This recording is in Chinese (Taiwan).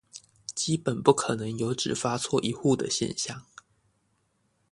基本不可能有只發錯一戶的現象